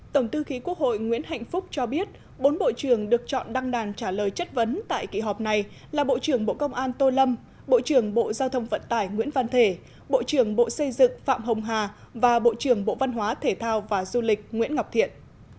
tổng tư khí quốc hội nguyễn hạnh phúc cho biết bốn bộ trưởng được chọn đăng đàn trả lời chất vấn tại kỳ họp này là bộ trưởng bộ công an tô lâm bộ trưởng bộ giao thông vận tải nguyễn văn thể bộ trưởng bộ xây dựng phạm hồng hà và bộ trưởng bộ văn hóa thể thao và du lịch nguyễn ngọc thiện